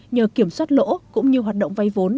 nhờ kiểm soát lỗ cũng như hoạt động vay vốn